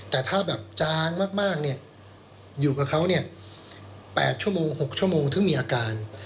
แต่ถ้าแบบจางมากอยู่กับเขาเนี่ย๘ชั่วโมง๖ชั่วโมงถึงมีอาการ